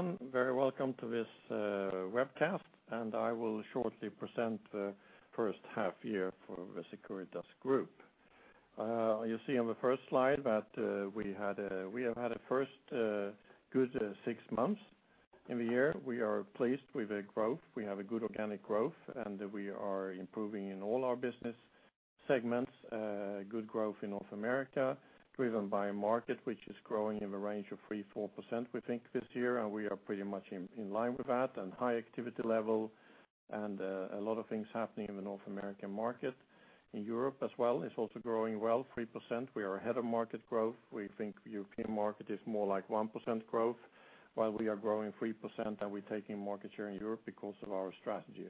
Hello, everyone. Very welcome to this webcast, and I will shortly present the first half year for the Securitas Group. You see on the first slide that we have had a first good six months in the year. We are pleased with the growth. We have a good organic growth, and we are improving in all our business segments. Good growth in North America, driven by a market which is growing in the range of 3%-4%, we think, this year, and we are pretty much in line with that, and high activity level and a lot of things happening in the North American market. In Europe as well, it's also growing well, 3%. We are ahead of market growth. We think European market is more like 1% growth, while we are growing 3%, and we're taking market share in Europe because of our strategy.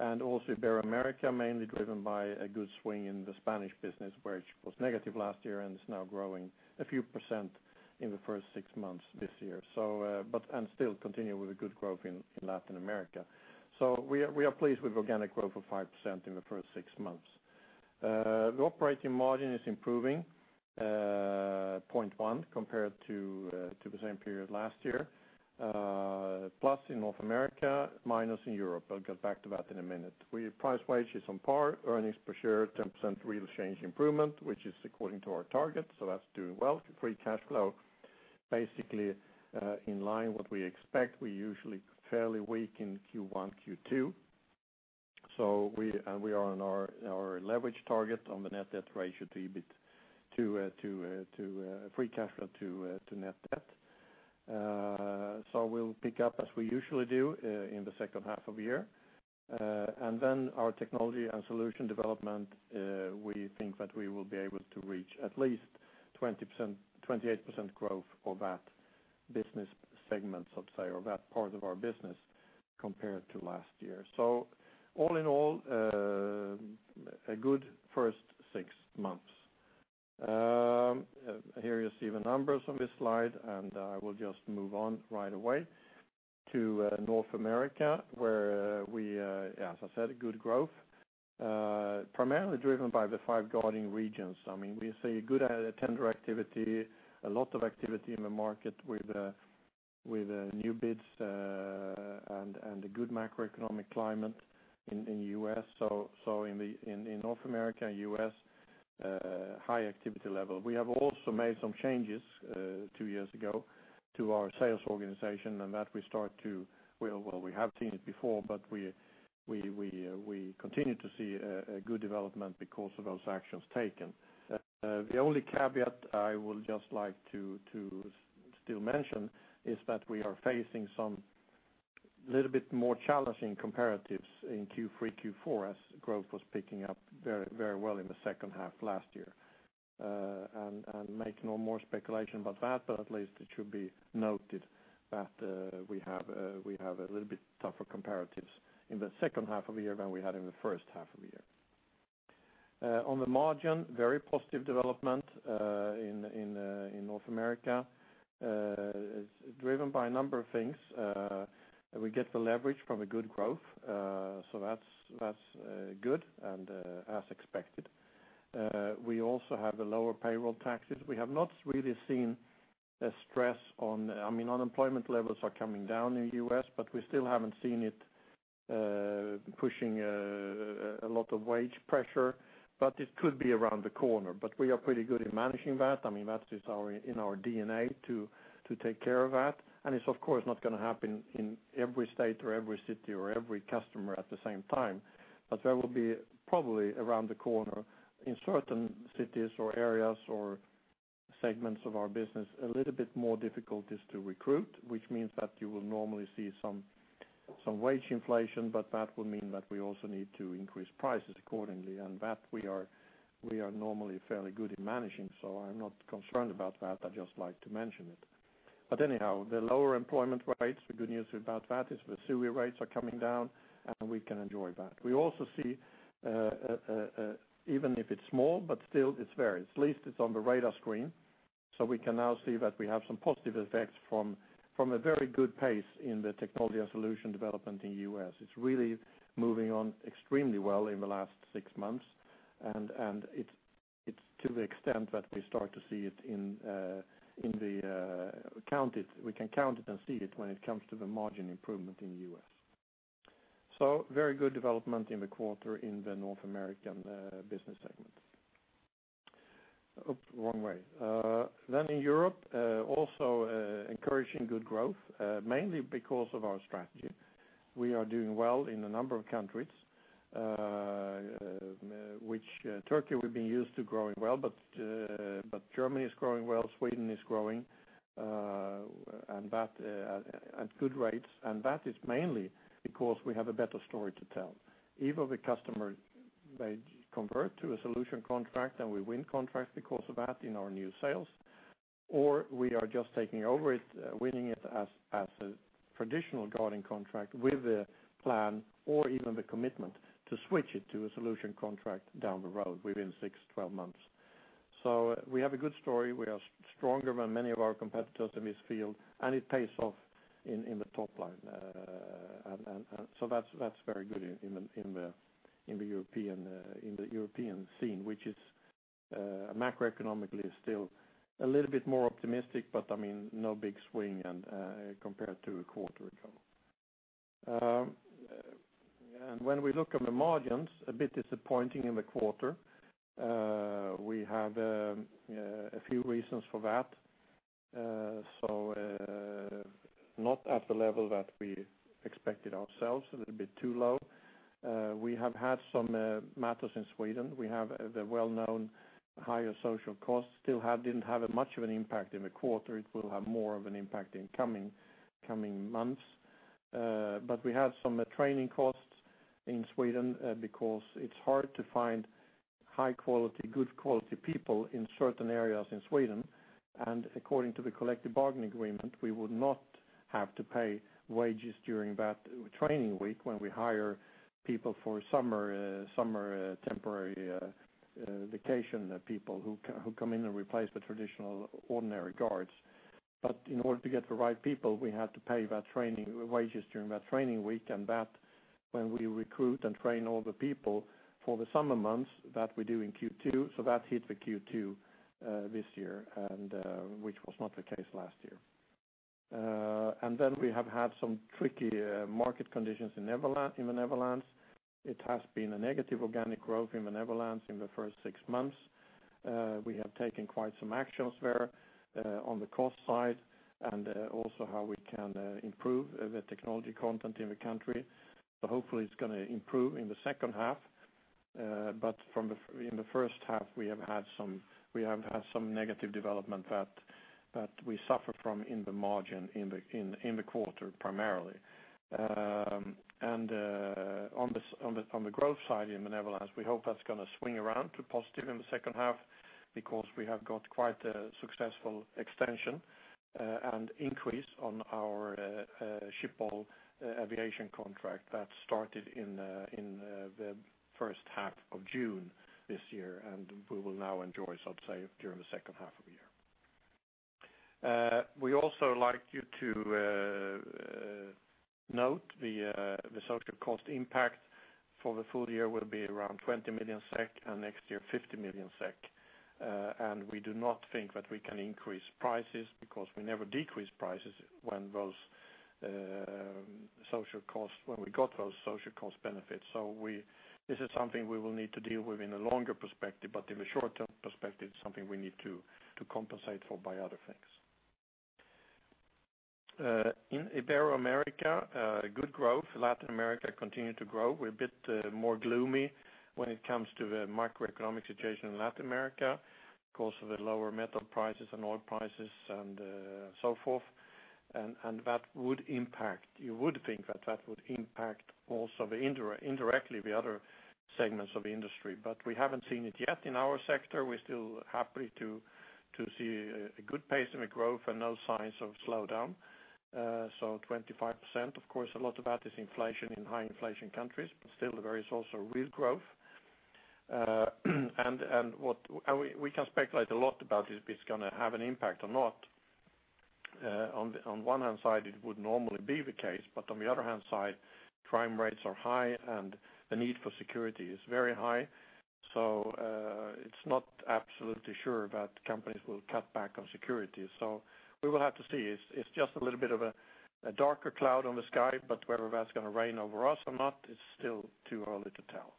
Also Ibero-America, mainly driven by a good swing in the Spanish business, which was negative last year and is now growing a few percent in the first six months this year. So and still continue with a good growth in Latin America. So we are pleased with organic growth of 5% in the first six months. The operating margin is improving 0.1 compared to the same period last year. Plus in North America, minus in Europe. I'll get back to that in a minute. We price wages on par, earnings per share 10% real change improvement, which is according to our target, so that's doing well. Free cash flow, basically, in line with what we expect. We're usually fairly weak in Q1, Q2, so we are on our leverage target on the net debt ratio to EBIT to free cash flow to net debt. So we'll pick up as we usually do in the second half of the year. And then our technology and solution development, we think that we will be able to reach at least 20%, 28% growth for that business segment, let's say, or that part of our business compared to last year. So all in all, a good first six months. Here you see the numbers on this slide, and I will just move on right away to North America, where we, as I said, good growth, primarily driven by the five guarding regions. I mean, we see good tender activity, a lot of activity in the market with new bids, and a good macroeconomic climate in the U.S. So, in North America, U.S., high activity level. We have also made some changes two years ago to our sales organization, and that we start to... Well, we have seen it before, but we continue to see a good development because of those actions taken. The only caveat I would just like to still mention is that we are facing some little bit more challenging comparatives in Q3, Q4, as growth was picking up very, very well in the second half last year. And make no more speculation about that, but at least it should be noted that we have a little bit tougher comparatives in the second half of the year than we had in the first half of the year. On the margin, very positive development in North America. It's driven by a number of things. We get the leverage from a good growth, so that's good, and as expected. We also have the lower payroll taxes. We have not really seen a stress on. I mean, unemployment levels are coming down in the U.S., but we still haven't seen it pushing a lot of wage pressure, but it could be around the corner. But we are pretty good at managing that. I mean, that is our, in our DNA to take care of that. And it's of course not gonna happen in every state or every city or every customer at the same time. But there will be probably around the corner in certain cities or areas or segments of our business a little bit more difficulties to recruit, which means that you will normally see some wage inflation, but that will mean that we also need to increase prices accordingly, and that we are normally fairly good at managing, so I'm not concerned about that. I'd just like to mention it. But anyhow, the lower employment rates, the good news about that is the SUTA rates are coming down, and we can enjoy that. We also see, even if it's small, but still it's varies. At least it's on the radar screen, so we can now see that we have some positive effects from, from a very good pace in the technology and solution development in U.S. It's really moving on extremely well in the last six months, and, and it's, it's to the extent that we start to see it in, in the, we can count it and see it when it comes to the margin improvement in the U.S. So very good development in the quarter in the North American business segment. Oops, wrong way. Then in Europe, also, encouraging good growth, mainly because of our strategy. We are doing well in a number of countries, which, Turkey, we've been used to growing well, but Germany is growing well, Sweden is growing, and that at good rates. And that is mainly because we have a better story to tell. Either the customer, they convert to a solution contract, and we win contracts because of that in our new sales, or we are just taking over it, winning it as a traditional guarding contract with a plan or even the commitment to switch it to a solution contract down the road within six, 12 months. So we have a good story. We are stronger than many of our competitors in this field, and it pays off in the top line. So that's very good in the European scene, which is macroeconomically still a little bit more optimistic, but I mean, no big swing and compared to a quarter ago. When we look at the margins, a bit disappointing in the quarter. We have a few reasons for that. Not at the level that we expected ourselves, a little bit too low. We have had some matters in Sweden. We have the well-known higher social costs. Still, didn't have much of an impact in the quarter. It will have more of an impact in coming months. But we have some training costs in Sweden, because it's hard to find high quality people in certain areas in Sweden. According to the collective bargaining agreement, we would not have to pay wages during that training week when we hire people for summer, summer temporary, vacation people who come in and replace the traditional ordinary guards. But in order to get the right people, we had to pay that training wages during that training week, and that when we recruit and train all the people for the summer months that we do in Q2, so that hit the Q2, this year, and, which was not the case last year. Then we have had some tricky, market conditions in the Netherlands. It has been a negative organic growth in the Netherlands in the first six months. We have taken quite some actions there on the cost side, and also how we can improve the technology content in the country. So hopefully, it's gonna improve in the second half. But from the first half, we have had some negative development that we suffer from in the margin in the quarter, primarily. And on the growth side in the Netherlands, we hope that's gonna swing around to positive in the second half because we have got quite a successful extension and increase on our Schiphol aviation contract that started in the first half of June this year, and we will now enjoy, I'd say, during the second half of the year. We also like you to note the social cost impact for the full year will be around 20 million SEK and next year, 50 million SEK. We do not think that we can increase prices because we never decrease prices when those social costs, when we got those social cost benefits. So this is something we will need to deal with in a longer perspective, but in the short-term perspective, it's something we need to compensate for by other things. In Ibero-America, good growth. Latin America continued to grow. We're a bit more gloomy when it comes to the macroeconomic situation in Latin America because of the lower metal prices and oil prices and so forth. That would impact... You would think that that would impact also indirectly the other segments of the industry, but we haven't seen it yet in our sector. We're still happy to see a good pace in the growth and no signs of slowdown. So 25%, of course, a lot of that is inflation in high inflation countries, but still there is also real growth. And we can speculate a lot about if it's gonna have an impact or not. On one hand side, it would normally be the case, but on the other hand side, crime rates are high, and the need for security is very high. So it's not absolutely sure that companies will cut back on security. So we will have to see. It's just a little bit of a darker cloud on the sky, but whether that's gonna rain over us or not, it's still too early to tell.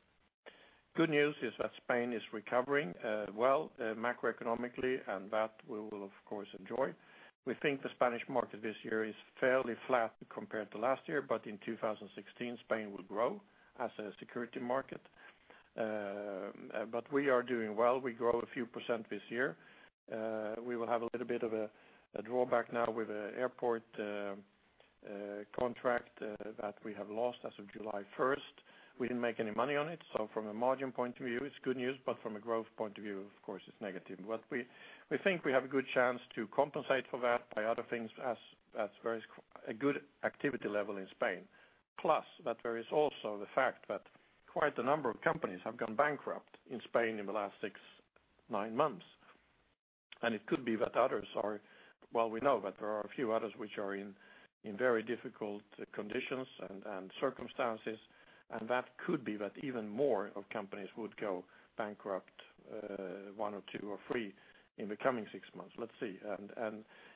Good news is that Spain is recovering, well, macroeconomically, and that we will, of course, enjoy. We think the Spanish market this year is fairly flat compared to last year, but in 2016, Spain will grow as a security market. But we are doing well. We grow a few percent this year. We will have a little bit of a drawback now with an airport contract that we have lost as of July first. We didn't make any money on it, so from a margin point of view, it's good news, but from a growth point of view, of course, it's negative. But we think we have a good chance to compensate for that by other things as there is a good activity level in Spain. Plus, that there is also the fact that quite a number of companies have gone bankrupt in Spain in the last six-nine months. And it could be that others are—well, we know that there are a few others which are in very difficult conditions and circumstances, and that could be that even more of companies would go bankrupt, one or two or three in the coming six months. Let's see.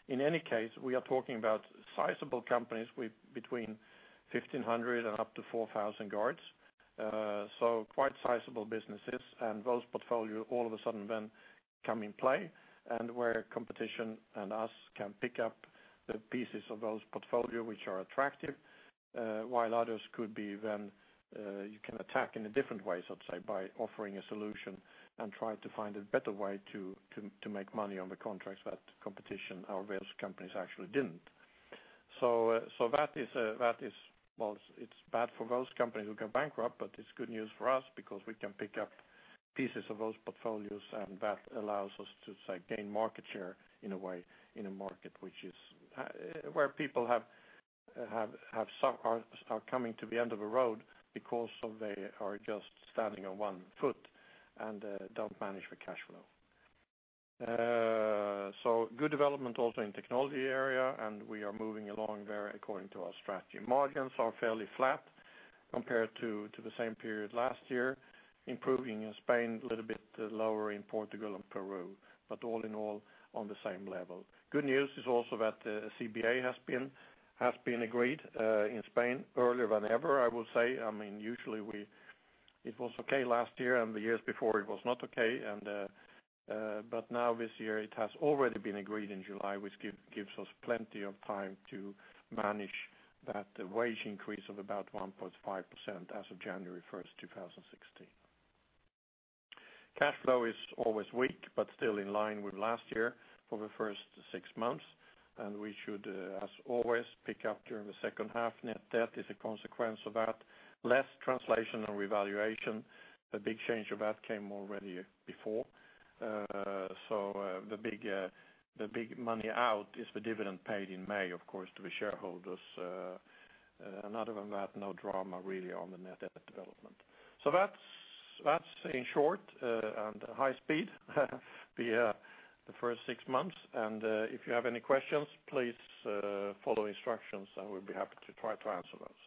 In any case, we are talking about sizable companies with between 1,500 and up to 4,000 guards, so quite sizable businesses, and those portfolio, all of a sudden, then come in play, and where competition and us can pick up the pieces of those portfolio which are attractive, while others could be then, you can attack in a different way, so to say, by offering a solution and try to find a better way to make money on the contracts that competition or those companies actually didn't. So, that is, well, it's bad for those companies who go bankrupt, but it's good news for us because we can pick up pieces of those portfolios, and that allows us to, say, gain market share in a way, in a market which is, where people have, have, have some-- are, are coming to the end of a road because of they are just standing on one foot and, don't manage the cash flow. So good development also in technology area, and we are moving along very according to our strategy. Margins are fairly flat compared to, to the same period last year, improving in Spain a little bit, lower in Portugal and Peru, but all in all, on the same level. Good news is also that the CBA has been agreed in Spain earlier than ever, I will say. I mean, usually it was okay last year, and the years before it was not okay. But now this year, it has already been agreed in July, which gives us plenty of time to manage that wage increase of about 1.5% as of January 1st, 2016. Cash flow is always weak, but still in line with last year for the first six months, and we should, as always, pick up during the second half. Net debt is a consequence of that. Less translation and revaluation. The big change of that came already before. So, the big money out is the dividend paid in May, of course, to the shareholders. And other than that, no drama really on the net debt development. So that's in short and high speed the first six months. And if you have any questions, please follow instructions, and we'll be happy to try to answer those.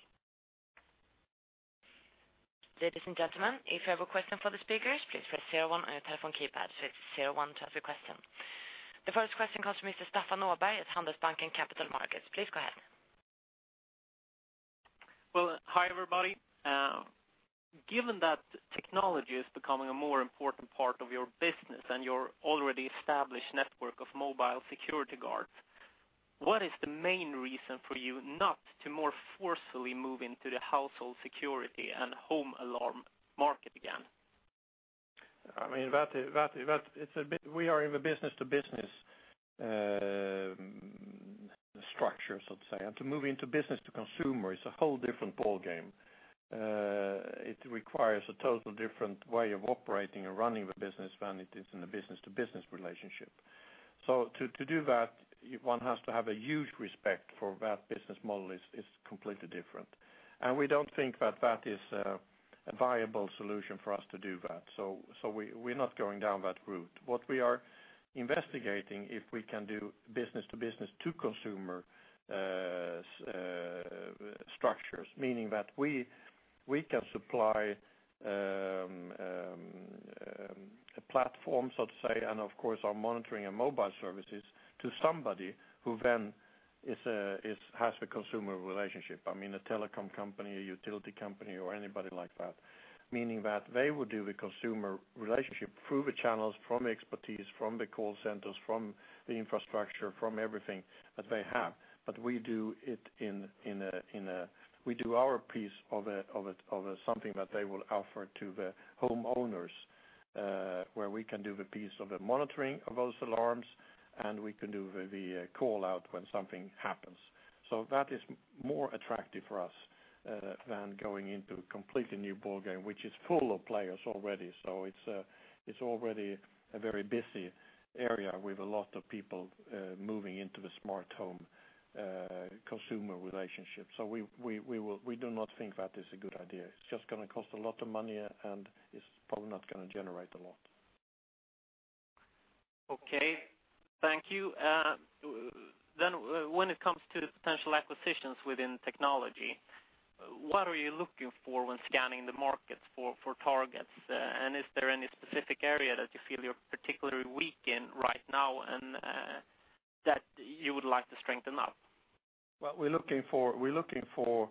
Ladies and gentlemen, if you have a question for the speakers, please press zero one on your telephone keypad. So it's zero one to ask a question. The first question comes from Mr. Staffan Norberg at Handelsbanken Capital Markets. Please go ahead. Well, hi, everybody. Given that technology is becoming a more important part of your business and your already established network of mobile security guards, what is the main reason for you not to more forcefully move into the household security and home alarm market again? I mean, that—it's a bit—we are in the business-to-business structure, so to say, and to move into business-to-consumer is a whole different ballgame. It requires a total different way of operating and running the business than it is in the business-to-business relationship. So to do that, one has to have a huge respect for that business model. It's completely different, and we don't think that that is a viable solution for us to do that. So we, we're not going down that route. What we are investigating, if we can do business-to-business to consumer structures, meaning that we can supply a platform, so to say, and of course, our monitoring and mobile services to somebody who then is has a consumer relationship. I mean, a telecom company, a utility company, or anybody like that, meaning that they would do the consumer relationship through the channels, from expertise, from the call centers, from the infrastructure, from everything that they have. But we do it in a—we do our piece of something that they will offer to the homeowners, where we can do the piece of the monitoring of those alarms, and we can do the call-out when something happens. So that is more attractive for us than going into a completely new ballgame, which is full of players already. So it's already a very busy area with a lot of people moving into the smart home consumer relationship. So we do not think that is a good idea. It's just gonna cost a lot of money, and it's probably not gonna generate a lot. Okay. Thank you. Then when it comes to potential acquisitions within technology, what are you looking for when scanning the markets for targets? And is there any specific area that you feel you're particularly weak in right now and, that you would like to strengthen up? Well, we're looking for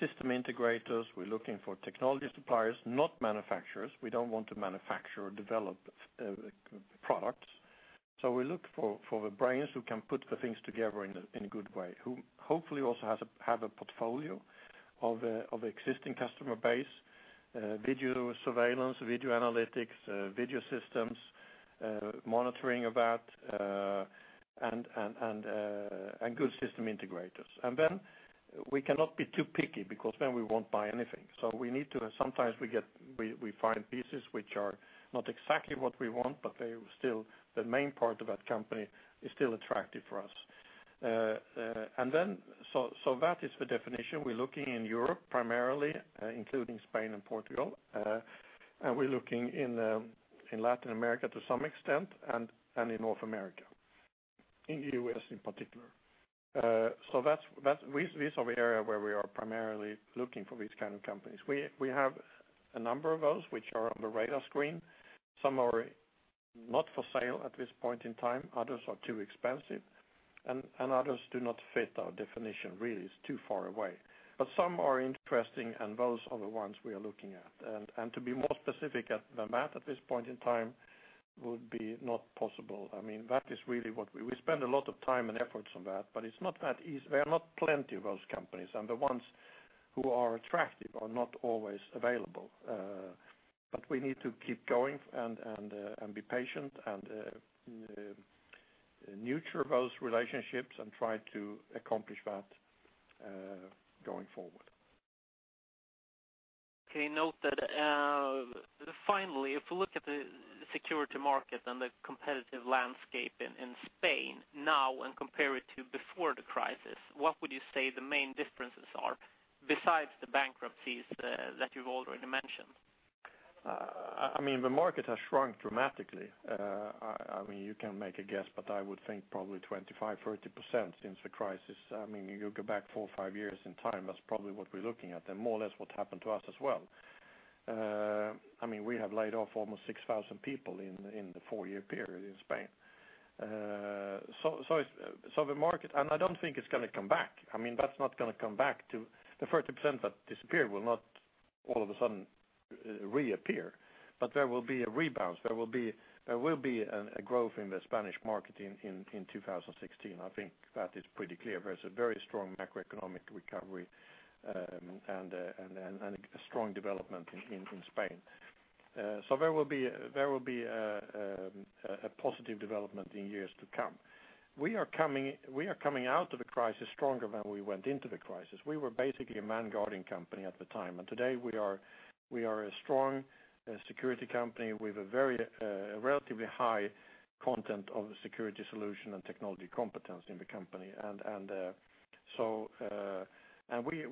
system integrators. We're looking for technology suppliers, not manufacturers. We don't want to manufacture or develop products. So we look for the brains who can put the things together in a good way, who hopefully also have a portfolio of existing customer base, video surveillance, video analytics, video systems, monitoring of that, and good system integrators. And then we cannot be too picky because then we won't buy anything. So sometimes we find pieces which are not exactly what we want, but they still, the main part of that company is still attractive for us. So that is the definition. We're looking in Europe, primarily, including Spain and Portugal, and we're looking in, in Latin America to some extent, and, and in North America, in the U.S. in particular. So that's, that's—these, these are the area where we are primarily looking for these kind of companies. We, we have a number of those which are on the radar screen. Some are not for sale at this point in time, others are too expensive, and, and others do not fit our definition, really. It's too far away. But some are interesting, and those are the ones we are looking at. And, and to be more specific at than that at this point in time would be not possible. I mean, that is really what we... We spend a lot of time and efforts on that, but it's not that easy. There are not plenty of those companies, and the ones who are attractive are not always available. But we need to keep going and be patient and nurture those relationships and try to accomplish that going forward. Okay, noted. Finally, if we look at the security market and the competitive landscape in, in Spain now and compare it to before the crisis, what would you say the main differences are besides the bankruptcies, that you've already mentioned? ... I mean, the market has shrunk dramatically. I mean, you can make a guess, but I would think probably 25%-30% since the crisis. I mean, you go back four-five years in time, that's probably what we're looking at, and more or less what happened to us as well. I mean, we have laid off almost 6,000 people in the four-year period in Spain. So it's so the market and I don't think it's gonna come back. I mean, that's not gonna come back to the 30% that disappeared will not all of a sudden re-appear. But there will be a rebalance. There will be a growth in the Spanish market in 2016. I think that is pretty clear. There's a very strong macroeconomic recovery and a strong development in Spain. So there will be a positive development in years to come. We are coming out of the crisis stronger than we went into the crisis. We were basically a manned guarding company at the time, and today we are a strong security company with a very relatively high content of security solution and technology competence in the company.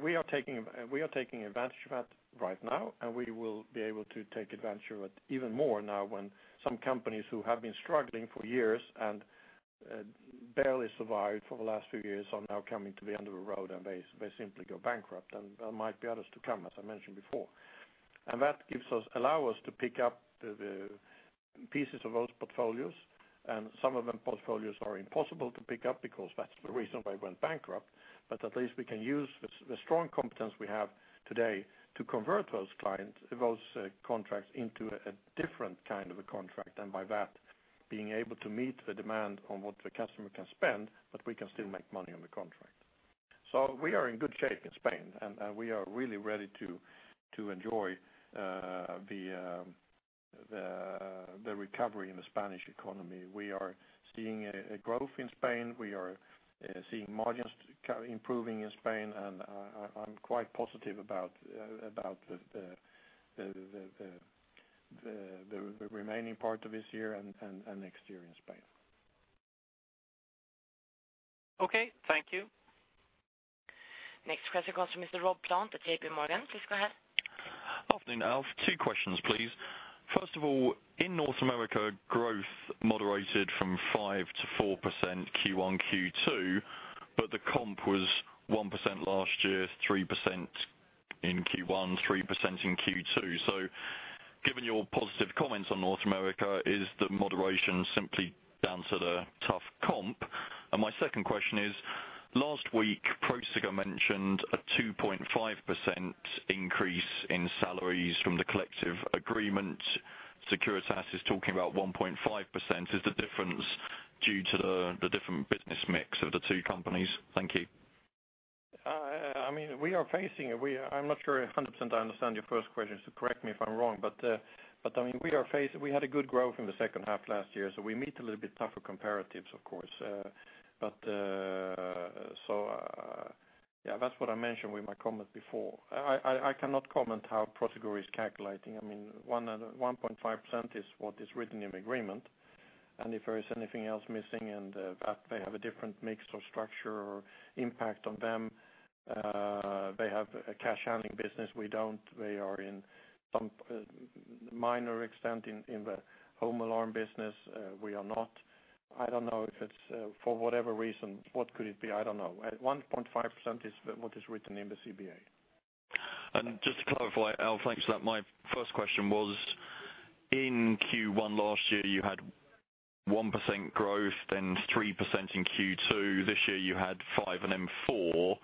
We are taking advantage of that right now, and we will be able to take advantage of it even more now when some companies who have been struggling for years and barely survived for the last few years are now coming to the end of the road, and they simply go bankrupt. There might be others to come, as I mentioned before. And that gives us - allows us to pick up the pieces of those portfolios, and some of them portfolios are impossible to pick up because that's the reason why they went bankrupt. But at least we can use the strong competence we have today to convert those clients, those contracts into a different kind of a contract, and by that, being able to meet the demand on what the customer can spend, but we can still make money on the contract. So we are in good shape in Spain, and we are really ready to enjoy the remaining part of this year and next year in Spain. We are seeing growth in Spain. We are seeing margins improving in Spain, and I am quite positive about the remaining part of this year and next year in Spain. Okay, thank you. Next question comes from Mr. Rob Plant at JPMorgan. Please go ahead. Good afternoon, Alf. Two questions, please. First of all, in North America, growth moderated from 5%-4% Q1, Q2, but the comp was 1% last year, 3% in Q1, 3% in Q2. So given your positive comments on North America, is the moderation simply down to the tough comp? And my second question is, last week, Prosegur mentioned a 2.5% increase in salaries from the collective agreement. Securitas is talking about 1.5%. Is the difference due to the, the different business mix of the two companies? Thank you. I mean, I'm not sure 100% I understand your first question, so correct me if I'm wrong. But I mean, we had a good growth in the second half last year, so we meet a little bit tougher comparatives, of course. Yeah, that's what I mentioned with my comment before. I cannot comment how Prosegur is calculating. I mean, 1.5% is what is written in the agreement, and if there is anything else missing, and that they have a different mix or structure or impact on them, they have a cash handling business, we don't. They are in some minor extent in the home alarm business, we are not. I don't know if it's, for whatever reason, what could it be? I don't know. At 1.5% is what is written in the CBA. Just to clarify, Alf, thanks for that. My first question was, in Q1 last year, you had 1% growth, then 3% in Q2. This year, you had 5% and then 4%.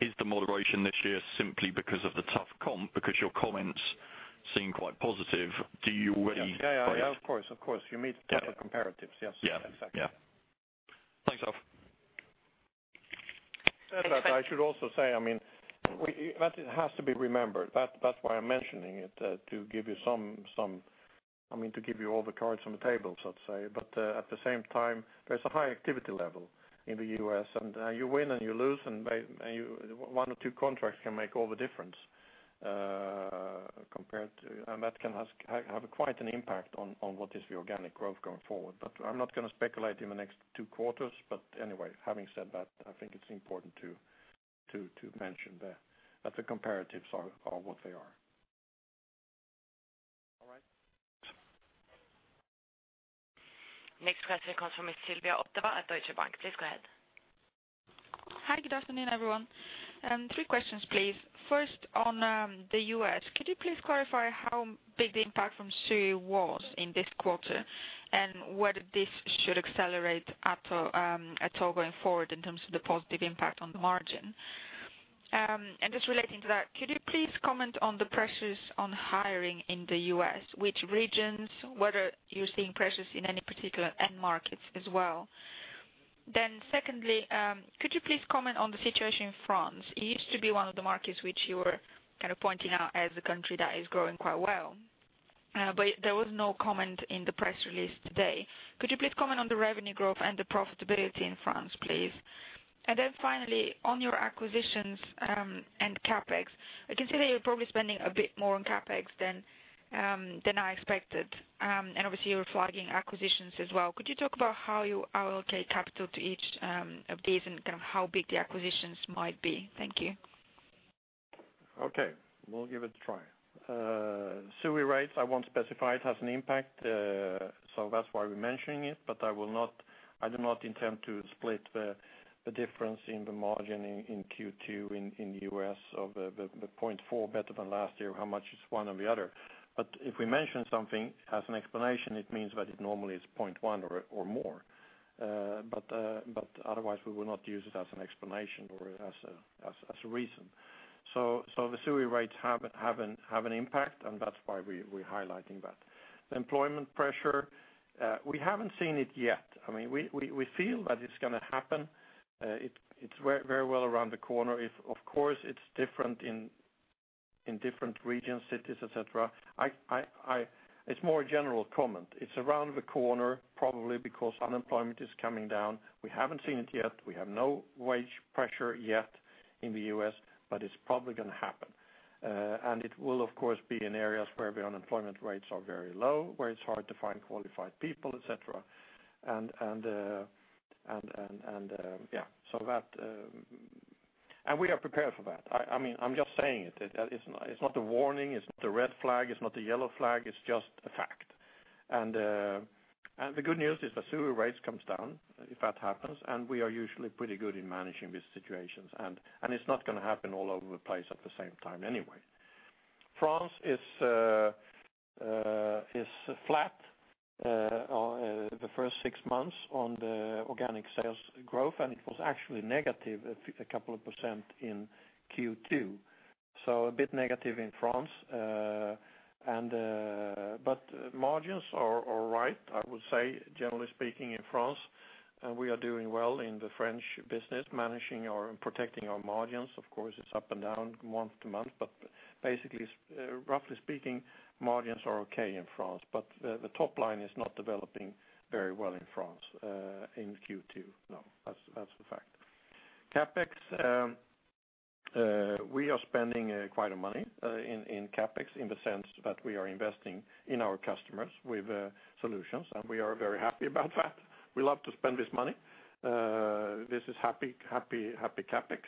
Is the moderation this year simply because of the tough comp? Because your comments seem quite positive. Do you really- Yeah, yeah, yeah, of course, of course. You meet tougher comparatives. Yeah. Yes, exactly. Yeah. Thanks, Alf. Thank you. But I should also say, I mean, that has to be remembered. That's why I'm mentioning it, to give you some, I mean, to give you all the cards on the table, so to say. But at the same time, there's a high activity level in the U.S., and you win and you lose, and one or two contracts can make all the difference, compared to... And that can have quite an impact on what is the organic growth going forward. But I'm not going to speculate in the next two quarters. But anyway, having said that, I think it's important to mention that the comparatives are what they are. All right? Next question comes from Ms. Sylvia Foteva at Deutsche Bank. Please go ahead. Hi, good afternoon, everyone. Three questions, please. First, on, the U.S., could you please clarify how big the impact from ACA was in this quarter and whether this should accelerate at all, at all going forward in terms of the positive impact on the margin? And just relating to that, could you please comment on the pressures on hiring in the U.S., which regions, whether you're seeing pressures in any particular end markets as well? Then secondly, could you please comment on the situation in France? It used to be one of the markets which you were kind of pointing out as a country that is growing quite well, but there was no comment in the press release today. Could you please comment on the revenue growth and the profitability in France, please? And then finally, on your acquisitions, and CapEx, I can see that you're probably spending a bit more on CapEx than I expected, and obviously, you're flagging acquisitions as well. Could you talk about how you allocate capital to each of these and kind of how big the acquisitions might be? Thank you.... Okay, we'll give it a try. SUTA rates, I won't specify it has an impact, so that's why we're mentioning it, but I will not—I do not intend to split the difference in the margin in Q2 in the U.S. of the 0.4 better than last year, how much is one or the other. But if we mention something as an explanation, it means that it normally is 0.1 or more. But otherwise, we will not use it as an explanation or as a reason. So the SUTA rates have an impact, and that's why we're highlighting that. The employment pressure, we haven't seen it yet. I mean, we feel that it's gonna happen. It's very well around the corner. Of course, it's different in different regions, cities, et cetera. It's more a general comment. It's around the corner, probably because unemployment is coming down. We haven't seen it yet. We have no wage pressure yet in the U.S., but it's probably gonna happen. And it will, of course, be in areas where the unemployment rates are very low, where it's hard to find qualified people, et cetera. And we are prepared for that. I mean, I'm just saying it. It's not a warning, it's not a red flag, it's not a yellow flag, it's just a fact. And the good news is the SUTA rates comes down if that happens, and we are usually pretty good in managing these situations, and it's not gonna happen all over the place at the same time anyway. France is flat the first six months on the organic sales growth, and it was actually negative a couple of percent in Q2, so a bit negative in France. But margins are right, I would say, generally speaking, in France, and we are doing well in the French business, managing our and protecting our margins. Of course, it's up and down month to month, but basically, roughly speaking, margins are okay in France, but the top line is not developing very well in France in Q2. No, that's a fact. CapEx, we are spending quite a money in CapEx, in the sense that we are investing in our customers with solutions, and we are very happy about that. We love to spend this money. This is happy, happy, happy CapEx.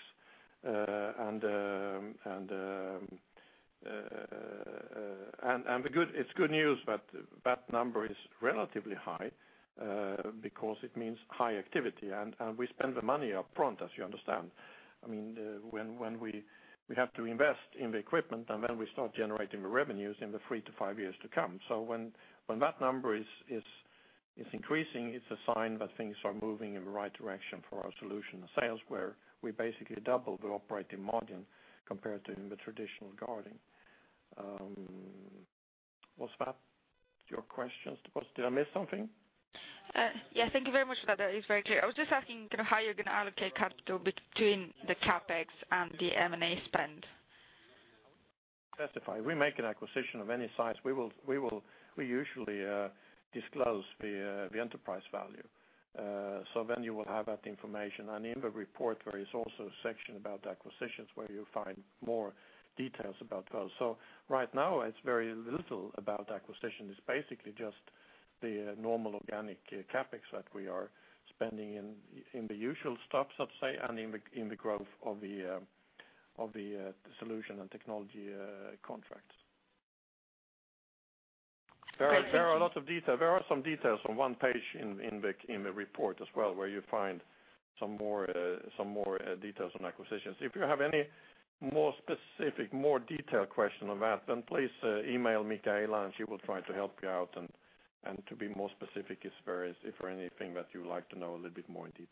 And it's good news that that number is relatively high, because it means high activity, and we spend the money upfront, as you understand. I mean, when we have to invest in the equipment, and then we start generating the revenues in the three-five years to come. So when that number is increasing, it's a sign that things are moving in the right direction for our solution and sales, where we basically double the operating margin compared to in the traditional guarding. Was that your questions to us? Did I miss something? Yeah, thank you very much for that. It's very clear. I was just asking, kind of, how you're going to allocate capital between the CapEx and the M&A spend? Specifically, we make an acquisition of any size, we will—we usually disclose the enterprise value. So then you will have that information, and in the report, there is also a section about acquisitions, where you'll find more details about those. So right now, it's very little about acquisition. It's basically just the normal organic CapEx that we are spending in the usual stops, I'd say, and in the growth of the solution and technology contracts. Thank you- There are a lot of details on one page in the report as well, where you find some more details on acquisitions. If you have any more specific, more detailed question on that, then please email Micaela, and she will try to help you out and to be more specific, as far as if there are anything that you would like to know a little bit more in detail.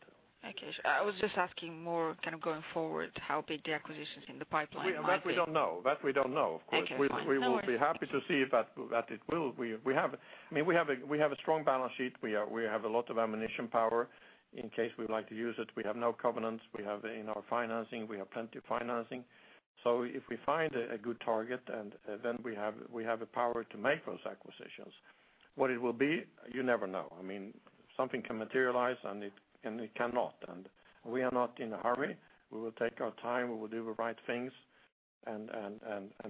Okay. I was just asking more, kind of, going forward, how big the acquisitions in the pipeline might be? Yeah, that we don't know. That we don't know. Okay, fine. No worry. We will be happy to see that it will. We have, I mean, we have a strong balance sheet. We have a lot of ammunition power in case we would like to use it. We have no covenants. We have in our financing, we have plenty of financing. So if we find a good target, then we have the power to make those acquisitions. What it will be, you never know. I mean, something can materialize, and it cannot, and we are not in a hurry. We will take our time. We will do the right things and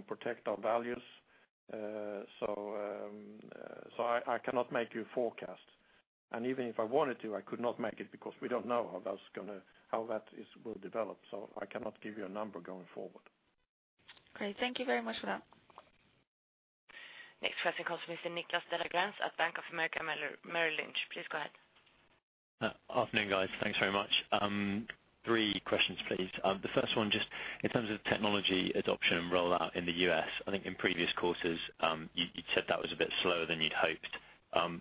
protect our values. I cannot make you a forecast, and even if I wanted to, I could not make it, because we don't know how that's going to develop, so I cannot give you a number going forward. Great. Thank you very much for that. Next question comes from Nicholas de la Grense at Bank of America Merrill Lynch. Please go ahead. Afternoon, guys. Thanks very much. Three questions, please. The first one, just in terms of technology adoption and rollout in the U.S., I think in previous quarters, you said that was a bit slower than you'd hoped,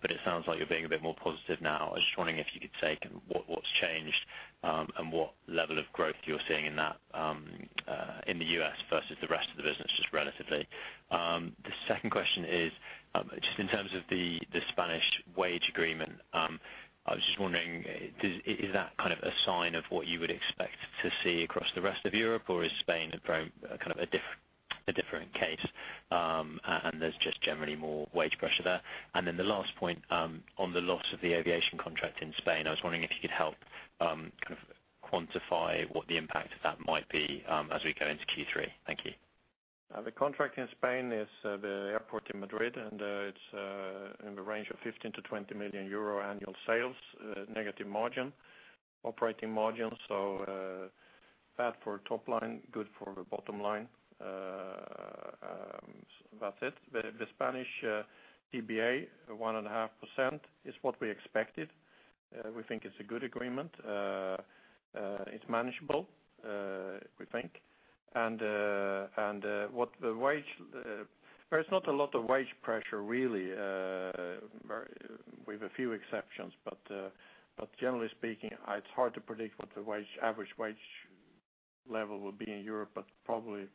but it sounds like you're being a bit more positive now. I was just wondering if you could say kind of what's changed, and what level of growth you're seeing in that, in the U.S. versus the rest of the business, just relatively? The second question is, just in terms of the Spanish wage agreement, I was just wondering, does... Is that kind of a sign of what you would expect to see across the rest of Europe, or is Spain a very kind of a different case, and there's just generally more wage pressure there? And then the last point, on the loss of the aviation contract in Spain, I was wondering if you could help, kind of quantify what the impact of that might be, as we go into Q3. Thank you.... The contract in Spain is the airport in Madrid, and it's in the range of 15 million-20 million euro annual sales, negative margin, operating margin, so bad for top line, good for the bottom line. That's it. The Spanish CBA, 1.5%, is what we expected. We think it's a good agreement. It's manageable, we think. And what the wage, there's not a lot of wage pressure, really, with a few exceptions. But generally speaking, it's hard to predict what the wage average wage level will be in Europe, but probably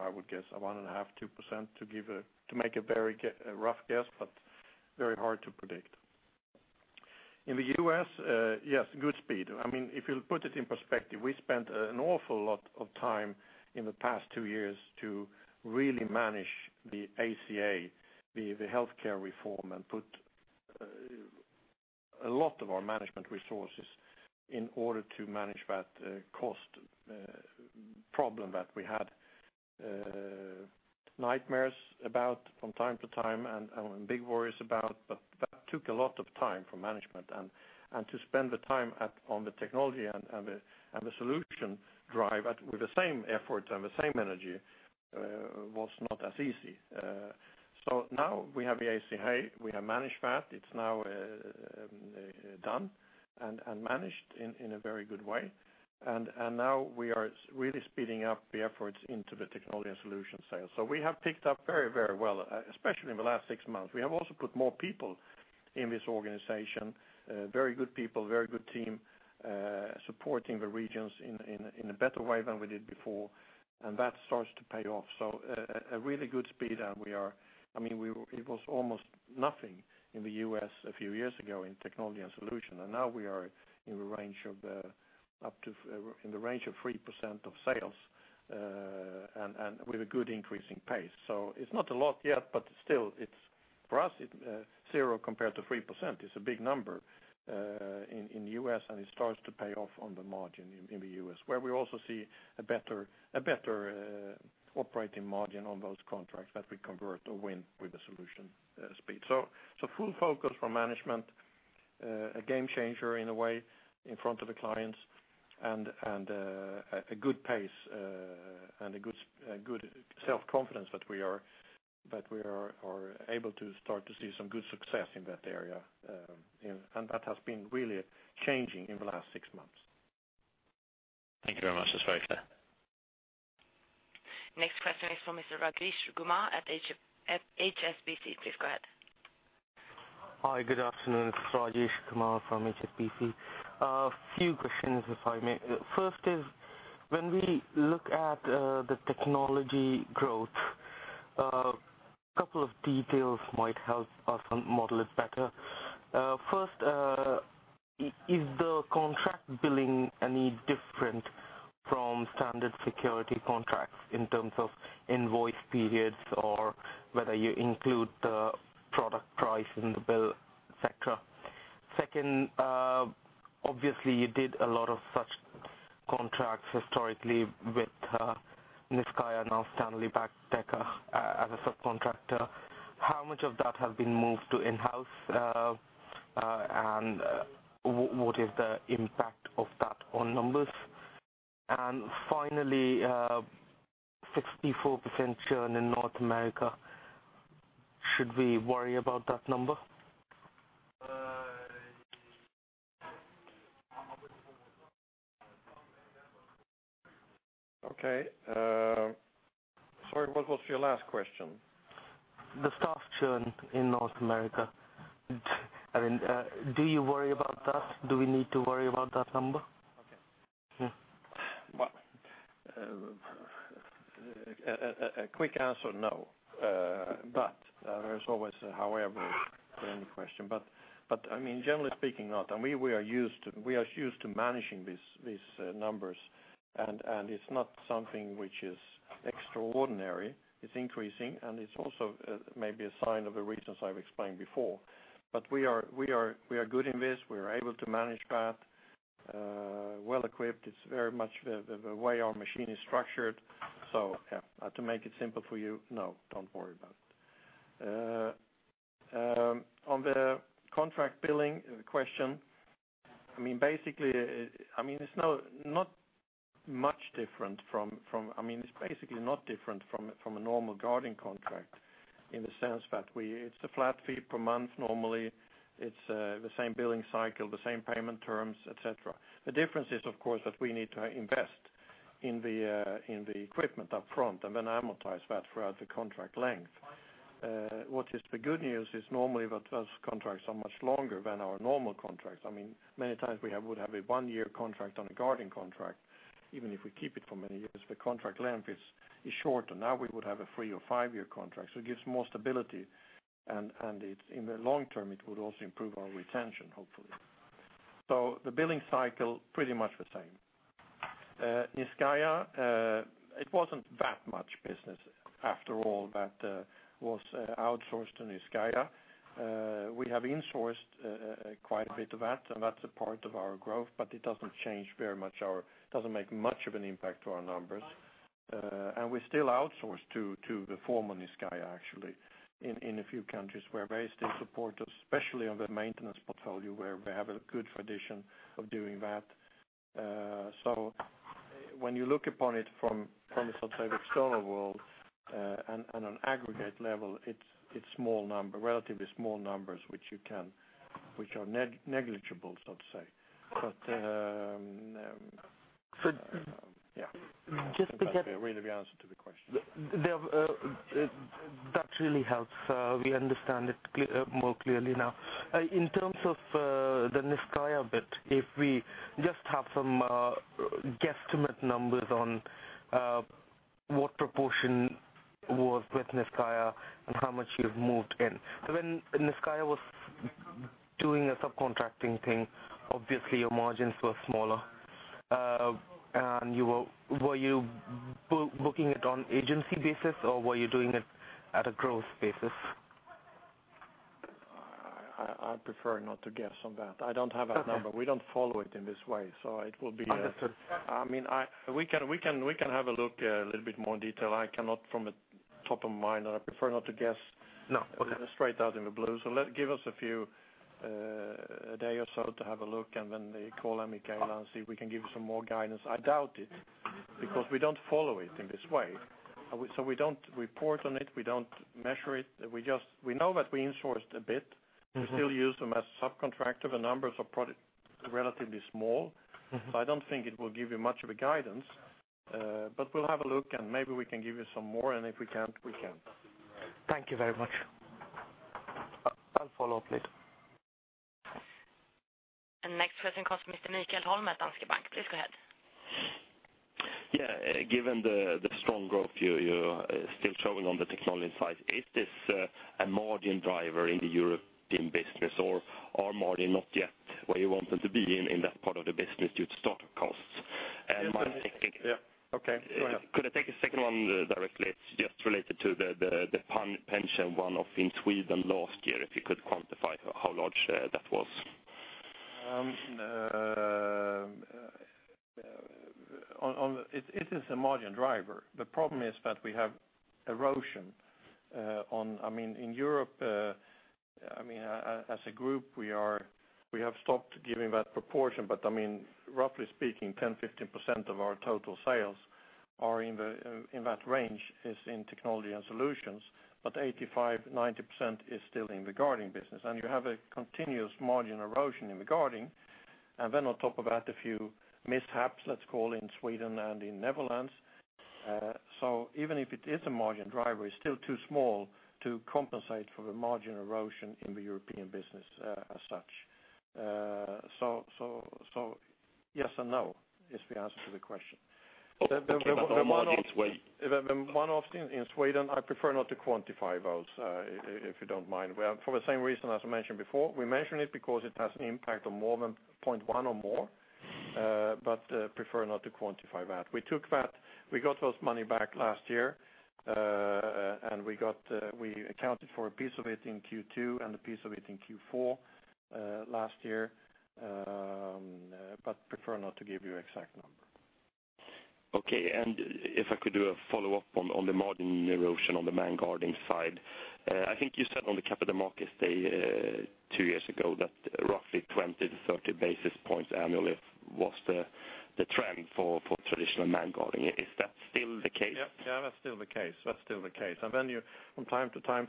I would guess 1.5%-2% to give to make a very rough guess, but very hard to predict. In the U.S., yes, good speed. I mean, if you'll put it in perspective, we spent an awful lot of time in the past two years to really manage the ACA, the healthcare reform, and put a lot of our management resources in order to manage that cost problem that we had nightmares about from time to time, and big worries about. But that took a lot of time for management, and to spend the time on the technology and the solution drive at with the same effort and the same energy was not as easy. So now we have the ACA. We have managed that. It's now done and managed in a very good way. And now we are really speeding up the efforts into the technology and solution side. So we have picked up very, very well, especially in the last six months. We have also put more people in this organization, very good people, very good team, supporting the regions in a better way than we did before, and that starts to pay off. So, really good speed, and we are—I mean, we were, it was almost nothing in the U.S. a few years ago in technology and solution, and now we are in a range of up to 3% of sales, and with a good increasing pace. So it's not a lot yet, but still, it's for us zero compared to 3% is a big number in the U.S., and it starts to pay off on the margin in the U.S., where we also see a better operating margin on those contracts that we convert or win with the solution speed. So full focus from management, a game changer in a way, in front of the clients, and a good pace and a good self-confidence that we are able to start to see some good success in that area. And that has been really changing in the last six months. Thank you very much, It's very clear. Next question is from Mr. Rajesh Kumar at HSBC. Please go ahead. Hi, good afternoon. It's Rajesh Kumar from HSBC. A few questions, if I may. First is, when we look at the technology growth, a couple of details might help us model it better. First, is the contract billing any different from standard security contracts in terms of invoice periods or whether you include the product price in the bill, et cetera? Second, obviously, you did a lot of such contracts historically with Niscayah, now Stanley Black & Decker, as a subcontractor. How much of that have been moved to in-house, and what is the impact of that on numbers? And finally, 64% churn in North America, should we worry about that number? Okay, sorry, what was your last question? The staff churn in North America. I mean, do you worry about that? Do we need to worry about that number? Okay. Well, a quick answer, no. But there's always a however to any question. But, I mean, generally speaking, not, and we are used to managing these numbers, and it's not something which is extraordinary. It's increasing, and it's also maybe a sign of the reasons I've explained before. But we are good in this. We are able to manage that well-equipped. It's very much the way our machine is structured. So, yeah, to make it simple for you, no, don't worry about it. On the contract billing question, I mean, basically, I mean, it's not much different from... I mean, it's basically not different from a normal guarding contract in the sense that it's a flat fee per month normally. It's the same billing cycle, the same payment terms, et cetera. The difference is, of course, that we need to invest in the equipment upfront and then amortize that throughout the contract length. What is the good news is normally that those contracts are much longer than our normal contracts. I mean, many times we would have a one-year contract on a guarding contract. Even if we keep it for many years, the contract length is shorter. Now we would have a three- or five-year contract, so it gives more stability, and it, in the long term, it would also improve our retention, hopefully. So the billing cycle, pretty much the same. Niscayah, it wasn't that much business after all that was outsourced to Niscayah. We have insourced quite a bit of that, and that's a part of our growth, but it doesn't make much of an impact to our numbers. And we still outsource to the former Niscayah actually, in a few countries where they still support us, especially on the maintenance portfolio, where we have a good tradition of doing that. So when you look upon it from the subcontrating external world, and on aggregate level, it's small number, relatively small numbers, which are negligible, let's say. But yeah. Just because- Read the answer to the question. That really helps. We understand it clear, more clearly now. In terms of the Niscayah bit, if we just have some guesstimate numbers on what proportion was with Niscayah and how much you've moved in? So when Niscayah was doing a subcontracting thing, obviously your margins were smaller. And you were, were you booking it on agency basis, or were you doing it at a growth basis? I prefer not to guess on that. I don't have that number. Okay. We don't follow it in this way, so it will be- Understood. I mean, we can have a look a little bit more in detail. I cannot from the top of mind, and I prefer not to guess. No. straight out of the blue. So let’s give us a few, a day or so to have a look, and then the call and we can see if we can give you some more guidance. I doubt it, because we don’t follow it in this way. So we don’t report on it, we don’t measure it, we just we know that we insourced a bit. Mm-hmm. We still use them as subcontractor. The numbers are productive, relatively small. Mm-hmm. So I don't think it will give you much of a guidance, but we'll have a look, and maybe we can give you some more, and if we can't, we can't. Thank you very much. I'll follow up later. Next question comes from Mr. Michael Holm at Danske Bank. Please go ahead. Yeah, given the strong growth you're still showing on the technology side, is this a margin driver in the European business, or are margin not yet where you want them to be in that part of the business due to startup costs? And my thinking- Yeah. Okay, go ahead. Could I take a second one directly? It's just related to the pension one-off in Sweden last year, if you could quantify how large that was. It is a margin driver. The problem is that we have erosion on... I mean, in Europe, I mean, as a group, we have stopped giving that proportion, but I mean, roughly speaking, 10%-15% of our total sales are in that range, is in technology and solutions, but 85%-90% is still in the guarding business. And you have a continuous margin erosion in the guarding. And then on top of that, a few mishaps, let's call in Sweden and in Netherlands. So even if it is a margin driver, it's still too small to compensate for the margin erosion in the European business as such. So yes and no is the answer to the question. Okay, but on the margins when- The one-off in Sweden, I prefer not to quantify those, if you don't mind. Well, for the same reason as I mentioned before, we mention it because it has an impact on more than point one or more, but prefer not to quantify that. We took that, we got those money back last year, and we got, we accounted for a piece of it in Q2, and a piece of it in Q4, last year, but prefer not to give you exact number. Okay, if I could do a follow-up on the margin erosion on the manned guarding side. I think you said on the capital markets day two years ago that roughly 20 basis points-30 basis points annually was the trend for traditional manned guarding. Is that still the case? Yep. Yeah, that's still the case. That's still the case. And then, from time to time,